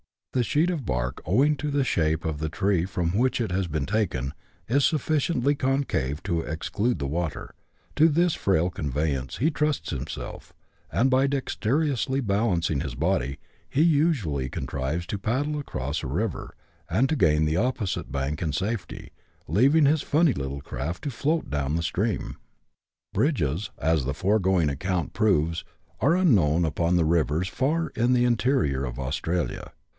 The sheet of bark, owing to the shape of the tree from which it has been taken, is sufficiently concave to exclude the water ; to this frail conveyance he trusts himself, and, by dexterously balancing his body, he usually contrives to paddle across a river, and to gain the opposite bank in safety, leaving his funny little craft to float down the stream. Bridges, as the foregoing account proves, are unknown upon the rivers far in the interior of Australia.